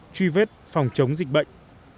truy vết phòng chống dịch bệnh